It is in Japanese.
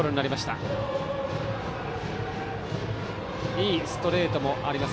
いいストレートもあります